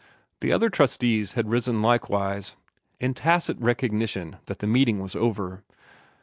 The other trustees had risen likewise, in tacit recognition that the meeting was over.